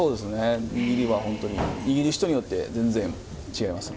握りは本当に握る人によって全然違います。